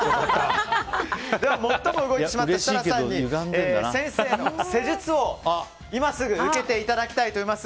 では、最も動いてしまった設楽さんに先生の施術を今すぐ受けていただきたいと思います。